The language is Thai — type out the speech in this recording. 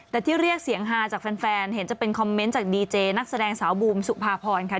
แต่ที่เรียกเสียงฮาจากแฟนเห็นจะเป็นคอมเมนต์จากดีเจนักแสดงสาวบูมสุภาพรค่ะ